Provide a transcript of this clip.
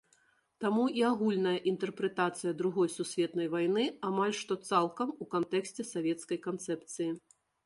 Таму і агульная інтэрпрэтацыя другой сусветнай вайны амаль што цалкам у кантэксце савецкай канцэпцыі.